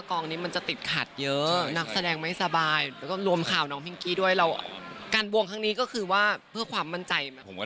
ลงไอจีให้โลกรู้มากแต่ต้องแอบไว้ก่อน